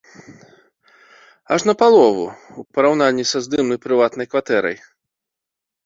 Аж напалову, у параўнанні са здымнай прыватнай кватэрай.